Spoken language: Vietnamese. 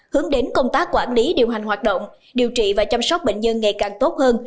hướng đến công tác quản lý điều hành hoạt động điều trị và chăm sóc bệnh nhân ngày càng tốt hơn